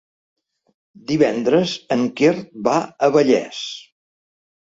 Divendres en Quer va a Vallés.